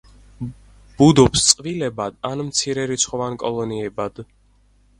ბუდობს წყვილებად ან მცირერიცხოვან კოლონიებად.